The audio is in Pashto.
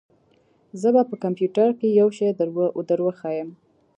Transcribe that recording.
زه به په کمپيوټر کښې يو شى دروښييم.